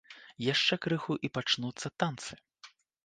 Яшчэ крыху і пачнуцца танцы.